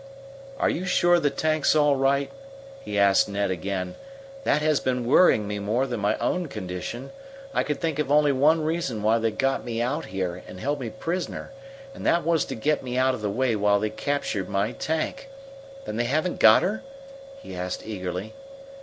"Are you sure the tank's all right?" he asked Ned again. "That has been worrying me more than my own condition. I could think of only one reason why they got me here and held me prisoner, and that was to get me out of the way while they captured my tank. Then they haven't got her?" he asked eagerly.